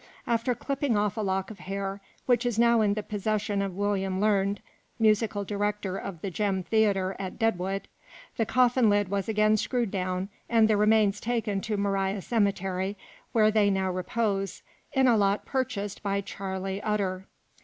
After clipping off a lock of hair, which is now in the possession of William Learned, musical director of the Gem theater, at Deadwood, the coffin lid was again screwed down, and the remains taken to Moriah cemetery, where they now repose, in a lot purchased by Charley Utter.